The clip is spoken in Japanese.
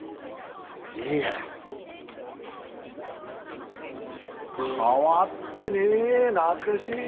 いいがら。変わってねえ懐かしい！